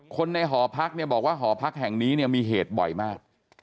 ในหอพักเนี่ยบอกว่าหอพักแห่งนี้เนี่ยมีเหตุบ่อยมาก